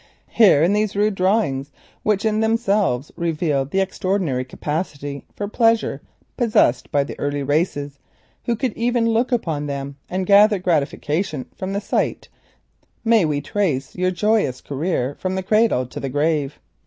Here in these rude drawings, which in themselves reveal the extraordinary capacity for pleasure possessed by the early races, who could look upon them and gather gratification from the sight, may we trace your joyous career from the cradle to the grave.